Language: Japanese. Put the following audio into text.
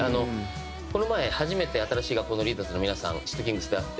この前初めて新しい学校のリーダーズの皆さんｓ＊＊ｔｋｉｎｇｚで会って。